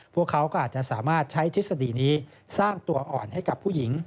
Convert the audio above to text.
พวกเขาก็อาจจะสามารถใช้ทฤษฎีนี้สร้างตัวอ่อนให้กับผู้หญิง